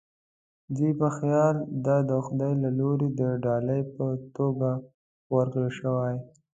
دوی په خیال دا د خدای له لوري د ډالۍ په توګه ورکړل شوې.